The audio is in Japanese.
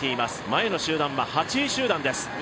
前の集団は８位集団です。